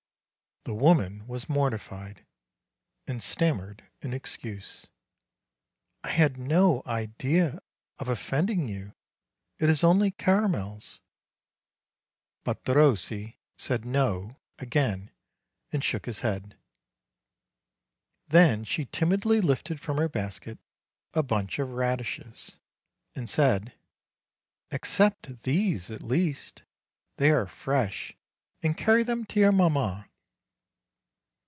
The woman was mortified, and stammered an excuse : "I had no idea of offending you. It is only caramels." NUMBER 78 173 But Derossi said "no," again, and shook his head. Then she timidly lifted from her basket a bunch of radishes, and said: "A'ccept these at least, they are fresh, and carry them to your mamma."